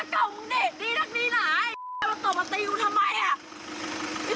เชื่อมึงเดี๋ยวกูผ่อนก็เอาเข้าบ้านไป